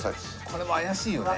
これも怪しいよね。